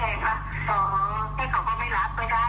ยืนจันไหมคะว่าขายให้กับมือจริง